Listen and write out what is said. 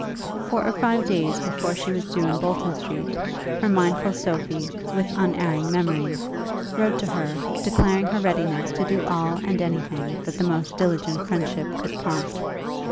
Four or five days before she was due in Bolton Street, her mindful Sophie, with unerring memory, wrote to her, declaring her readiness to do all and anything that the most diligent friendship could prompt.